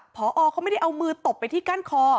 พอเขาไม่ได้เอามือตบไปที่กั้นคอ